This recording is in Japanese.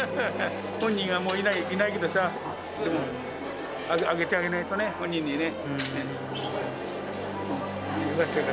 本人がもういないけどさ、あげてあげないとね、本人にね。